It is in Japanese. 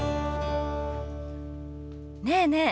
ねえねえ